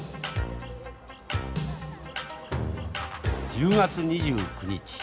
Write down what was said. １０月２９日。